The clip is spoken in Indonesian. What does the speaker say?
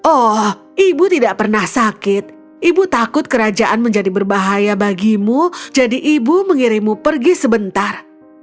oh ibu tidak pernah sakit ibu takut kerajaan menjadi berbahaya bagimu jadi ibu mengirimu pergi sebentar